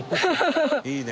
「いいね！」